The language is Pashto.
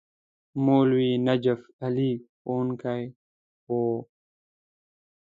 مولوي نجف علي ښوونکی وو.